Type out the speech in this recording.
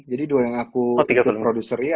jadi dua yang aku ikut produsernya